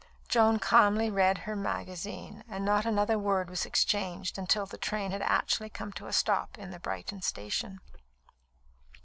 Joan calmly read her magazine, and not another word was exchanged until the train had actually come to a stop in the Brighton station.